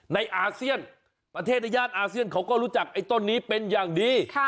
อาเซียนประเทศในย่านอาเซียนเขาก็รู้จักไอ้ต้นนี้เป็นอย่างดี